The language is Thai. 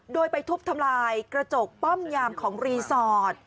โดยไปทุบทำลายกระจกป้อมยามของรีสอร์ท